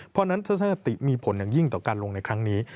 เพราะฉะนั้นทัศนคติมีผลอย่างยิ่งต่อการลงในครั้งนี้